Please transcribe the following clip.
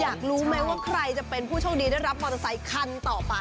อยากรู้ไหมว่าใครจะเป็นผู้โชคดีได้รับมอเตอร์ไซคันต่อไป